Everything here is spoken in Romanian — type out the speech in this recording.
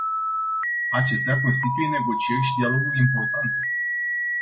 Acestea constituie negocieri și dialoguri importante.